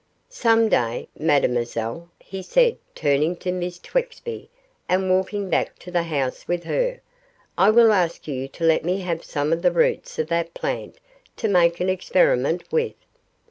Some day, Mademoiselle,' he said, turning to Miss Twexby and walking back to the house with her, 'I will ask you to let me have some of the roots of that plant to make an experiment with.